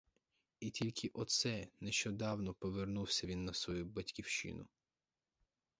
І тільки оце нещодавно повернувся він на свою батьківщину.